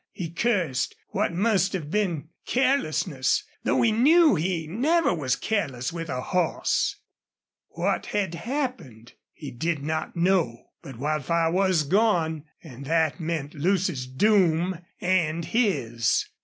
He cursed what must have been carelessness, though he knew he never was careless with a horse. What had happened? He did not know. But Wildfire was gone and that meant Lucy's doom and his!